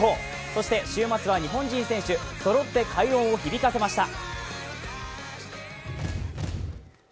そして週末は日本人選手、そろって快音を響かせました。